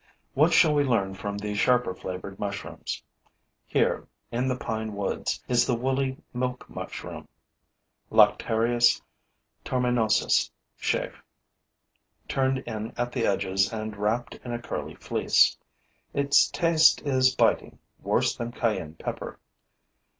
What shall we learn from the sharper flavored mushrooms? Here, in the pinewoods, is the woolly milk mushroom (Lactarius torminosus, SCHAEFF.), turned in at the edges and wrapped in a curly fleece. Its taste is biting, worse than Cayenne pepper.